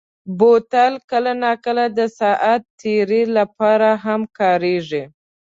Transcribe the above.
بوتل کله ناکله د ساعت تېرۍ لپاره هم کارېږي.